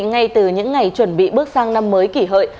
ngay từ những ngày chuẩn bị bước sang năm mới kỷ hợi